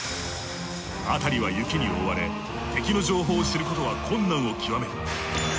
あたりは雪に覆われ敵の情報を知ることは困難を極める。